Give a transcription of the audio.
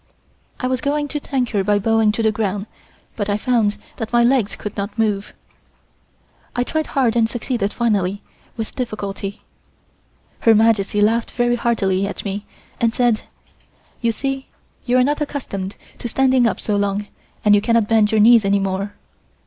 I was just going to thank her by bowing to the ground, but I found that my legs could not move. I tried hard and succeeded finally, with difficulty. Her Majesty laughed very heartily at me and said: "You see you are not accustomed to standing so long and you cannot bend your knees any more."